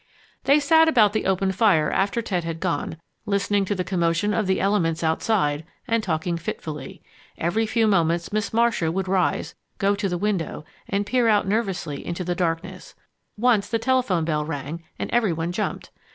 They sat about the open fire after Ted had gone, listening to the commotion of the elements outside and talking fitfully. Every few moments Miss Marcia would rise, go to the window, and peer out nervously into the darkness. Once the telephone bell rang and every one jumped.